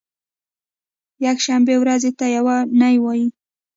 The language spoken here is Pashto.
یکشنبې ورځې ته یو نۍ وایی